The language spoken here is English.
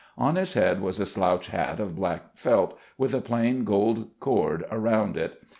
On his head was a slouch hat of black felt with a plain gold cord around it.